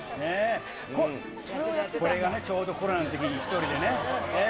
これがちょうどコロナのときに１人でね。